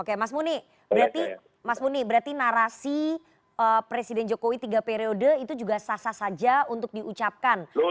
oke mas muni berarti narasi presiden jokowi tiga periode itu juga sasar saja untuk diucapkan